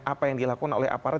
apa yang dilakukan oleh aparat